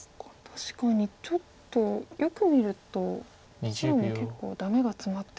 確かにちょっとよく見ると白も結構ダメがツマってるので。